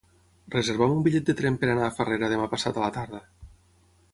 Reserva'm un bitllet de tren per anar a Farrera demà passat a la tarda.